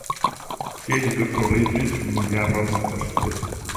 Tie li doktoriĝis unu jaron poste.